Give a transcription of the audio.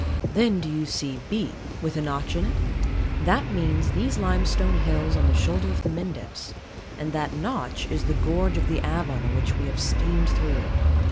Then do you see B. With a notch in it? That means these limestone hills on the shoulder of the Mendips; and that notch is the gorge of the Avon which we have steamed through.